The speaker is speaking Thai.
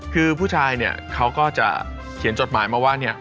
คือผู้ชายเนี่ยเขาก็จะเขียนจดหมายมาว่าเนี่ย